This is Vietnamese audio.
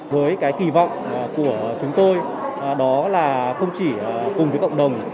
với cái kỳ vọng của chúng tôi đó là không chỉ cùng với cộng đồng